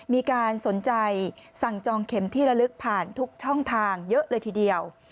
มีการสนใจสั่งจองเข็มที่ระลึกผ่านทุกช่องทางเยอะเลยทีเดียว